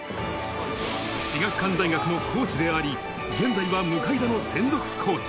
志学館大学のコーチであり、現在は向田の専属コーチ。